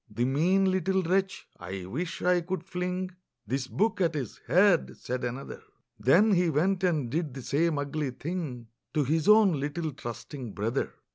"The mean little wretch, I wish I could fling This book at his head!" said another; Then he went and did the same ugly thing To his own little trusting brother!